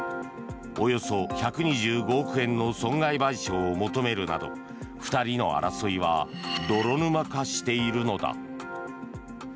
およそ１２５億円の損害賠償を求めるなど２人の争いは泥沼化しているのだ。